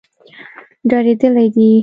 ډارېدلي دي.